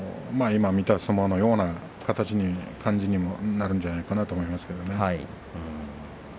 今、見た相撲のような感じにもなるんじゃないかなと思います。